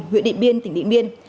huyện điện biên tỉnh điện biên